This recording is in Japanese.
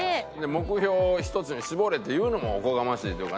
目標を１つに絞れって言うのもおこがましいというかね。